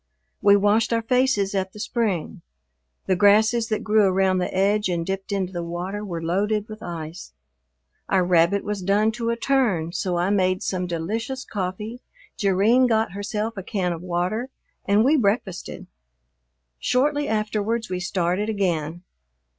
We washed our faces at the spring, the grasses that grew around the edge and dipped into the water were loaded with ice, our rabbit was done to a turn, so I made some delicious coffee, Jerrine got herself a can of water, and we breakfasted. Shortly afterwards we started again.